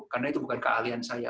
karena itu bukan keahlian saya